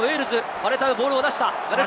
ファレタウ、ボールを出した！